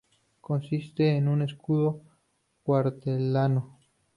Consiste en un escudo cuartelado.